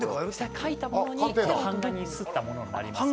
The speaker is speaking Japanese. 描いたものに版画に刷ったものになります。